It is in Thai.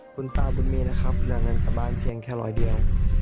คุณตาบุญมีนะครับนำเงินกลับบ้านเพียงแค่ร้อยเดียว